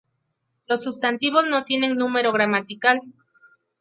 Los sustantivos no tienen número gramatical.